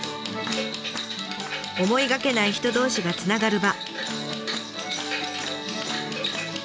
思いがけない人同士がつながる場。